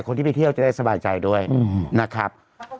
คนที่ไปเที่ยวจะได้สบายใจด้วยนะครับ